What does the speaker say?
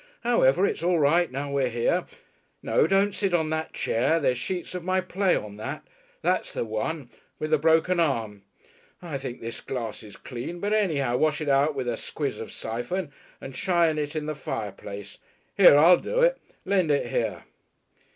However, it's all right now we're here. No, don't sit on that chair, there's sheets of my play on that. That's the one with the broken arm. I think this glass is clean, but anyhow wash it out with a squizz of syphon and shy it in the fireplace. Here! I'll do it! Lend it here!"